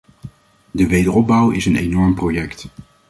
De wederopbouw is een enorm project.